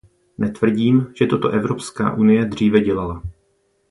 Netvrdím, že toto Evropská unie dříve dělala.